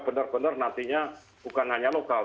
benar benar nantinya bukan hanya lokal